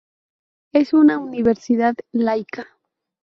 Es una universidad laica.